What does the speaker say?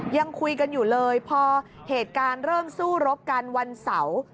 ยังคุยกันอยู่เลยพอเหตุการณ์เริ่มสู้รบกันวันเสาร์